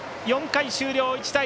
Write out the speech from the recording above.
４回終了、１対０。